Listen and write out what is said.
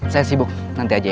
saya sibuk nanti aja